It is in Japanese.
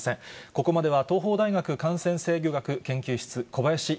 ここまでは、東邦大学感染制御学研究室、小林寅